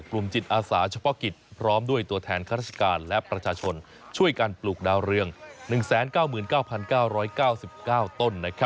จิตอาสาเฉพาะกิจพร้อมด้วยตัวแทนข้าราชการและประชาชนช่วยกันปลูกดาวเรือง๑๙๙๙๙๙ต้น